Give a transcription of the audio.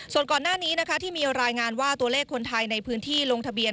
ส่วนก่อนหน้านี้นะคะที่มีรายงานว่าตัวเลขคนไทยในพื้นที่ลงทะเบียน